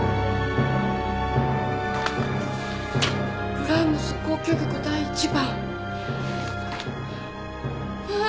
ブラームス『交響曲第１番』ああっ。